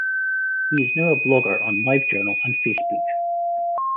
He is now a blogger on LiveJournal and Facebook.